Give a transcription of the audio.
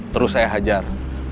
terus saya hajar